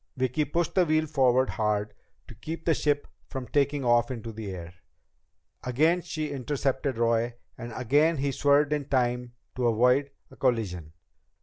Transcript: Vicki pushed the wheel forward hard to keep the ship from taking off into the air. Again she intercepted Roy, and again he swerved in time to avoid a collision.